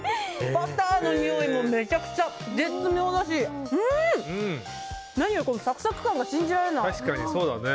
バターのにおいもめちゃくちゃ絶妙だしサクサク感が信じられない。